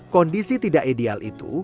kondisi tidak ideal itu